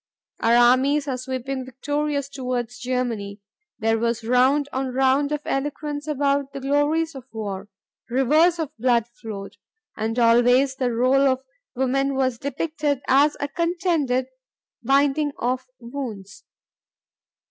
Our armies were sweeping victorious toward Germany. There was round on round of eloquence about the glories of war. Rivers of blood flowed. And always the role of woman was depicted as a contented binding of wounds.